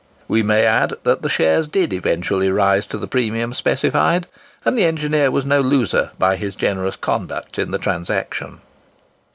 We may add that the shares did eventually rise to the premium specified, and the engineer was no loser by his generous conduct in the transaction.